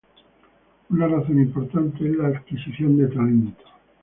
Una razón importante es la adquisición de talento.